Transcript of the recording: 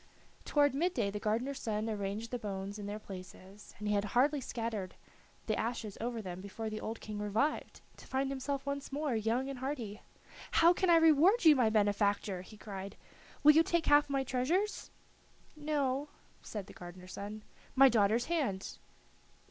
Toward mid day the gardener's son arranged the bones in their places, and he had hardly scattered the ashes over them before the old King revived, to find himself once more young and hearty. "How can I reward you, my benefactor?" he cried. "Will you take half my treasures?" "No," said the gardener's son. "My daughter's hand?"